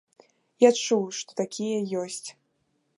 Я чуў, што такія ёсць.